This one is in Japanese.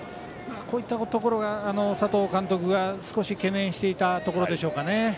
こういったところが、佐藤監督が少し懸念していたところでしょうかね。